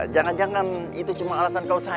jangan jangan itu cuma alasan kau saya